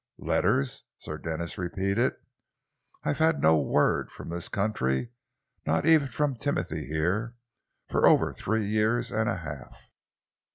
"Letters?" Sir Denis repeated. "I have had no word from this country, not even from Timothy here, for over three years and a half."